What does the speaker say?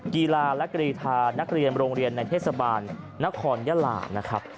กีฬาและกรีธานักเรียนโรงเรียนในเทศบาลนครยะลานะครับ